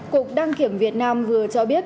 cục đăng kiểm việt nam vừa cho biết